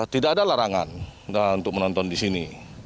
tidak ada larangan untuk menonton di sini